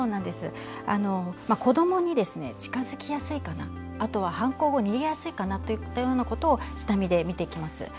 子どもに近づきやすいかなあとは、犯行後逃げやすいかなといったことを下見で見てきます。